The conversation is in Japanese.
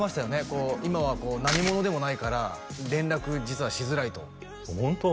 こう今は何者でもないから連絡実はしづらいとホント？